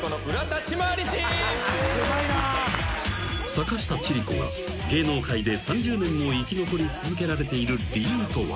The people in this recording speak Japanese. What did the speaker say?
［坂下千里子が芸能界で３０年も生き残り続けられている理由とは？］